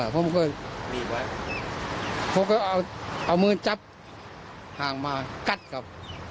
พวกเขาเอามือจับหางมากัดครับ